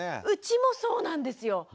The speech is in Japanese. うちもそうなんですよ。